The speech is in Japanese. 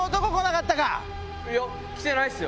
いや来てないっすよ。